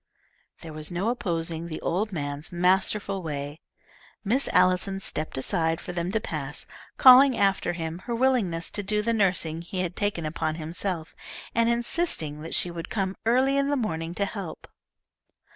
There was no opposing the old man's masterful way. Miss Allison stepped aside for them to pass, calling after him her willingness to do the nursing he had taken upon himself, and insisting that she would come early in the morning to help.